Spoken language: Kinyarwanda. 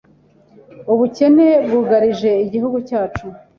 ubukene bwugarije igihugu cyacu